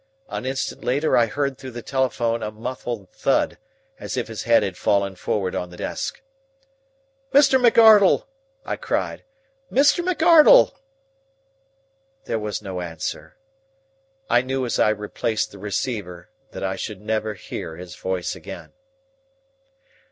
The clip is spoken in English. An instant later I heard through the telephone a muffled thud, as if his head had fallen forward on the desk. "Mr. McArdle!" I cried. "Mr. McArdle!" There was no answer. I knew as I replaced the receiver that I should never hear his voice again.